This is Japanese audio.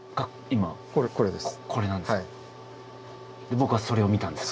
僕はそれを見たんですか？